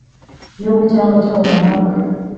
gihugu cyangwa cyo mu mahanga